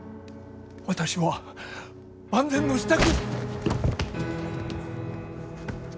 私は万全の支度。